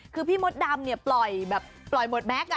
คือพี่มดดำเนี่ยปล่อยแบบปล่อยหมดแก๊ก